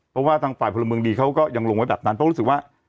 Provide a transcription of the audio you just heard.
เพราะว่าทางฝ่ายพลเมืองดีเขาก็ยังลงไว้แบบนั้นเพราะรู้สึกว่า